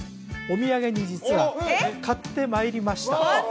お土産に実は買ってまいりましたえっ！